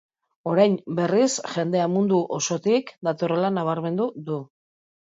Orain, berriz, jendea mundu osotik datorrela nabarmendu du.